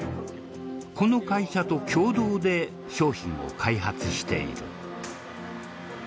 この会社と共同で商品を開発している。